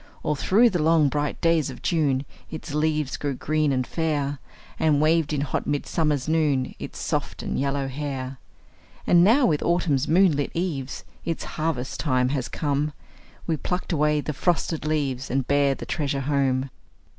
All through the long, bright days of June Its leaves grew green and fair, And waved in hot midsummer's noon Its soft and yellow hair. And now, with autumn's moon lit eves, Its harvest time has come, We pluck away the frosted leaves, And bear the treasure home.